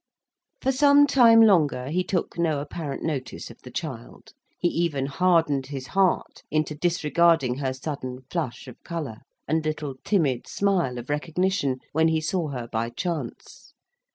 For some time longer he took no apparent notice of the child. He even hardened his heart into disregarding her sudden flush of colour, and little timid smile of recognition, when he saw her by chance.